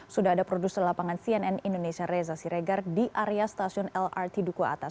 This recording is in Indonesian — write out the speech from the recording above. sudah ada produser lapangan cnn indonesia reza siregar di area stasiun lrt duku atas